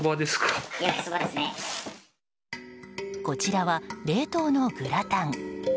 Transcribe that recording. こちらは冷凍のグラタン。